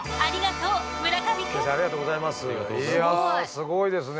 すごいですね。